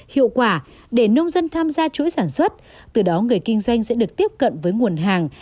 hiệu quả để nông dân tham gia chuỗi sản xuất từ đó người kinh doanh sẽ được tiếp cận với nguồn hàng